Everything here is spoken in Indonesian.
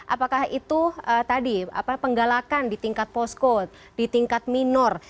apakah itu tadi penggalakan di tingkat posko di tingkat minor